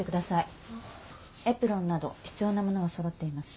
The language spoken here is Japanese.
エプロンなど必要なものはそろっています。